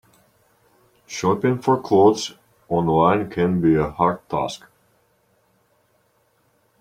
Shopping for clothes online can be a hard task.